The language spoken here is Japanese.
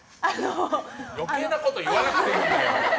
余計なこと言わなくていいんだよ。